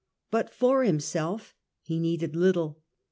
But for himself he needed little.